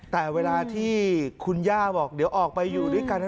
แต่เวลาที่คุณย่าบอกเดี๋ยวออกไปอยู่ด้วยกัน